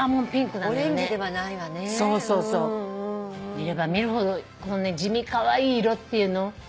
見れば見るほどこのね地味カワイイ色っていうの？